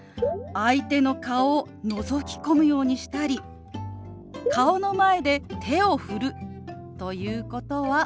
相手の顔をのぞき込むようにしたり顔の前で手を振るということはマナー違反なんです。